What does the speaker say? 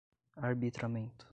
arbitramento